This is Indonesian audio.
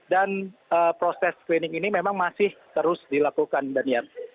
dan proses screening ini memang masih terus dilakukan